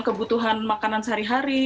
kebutuhan makanan sehari hari